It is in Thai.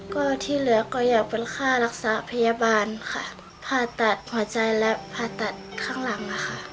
ก็ที่เหลือก็อยากเป็นค่ารักษาพยาบาลค่ะผ่าตัดหัวใจและผ่าตัดข้างหลังค่ะ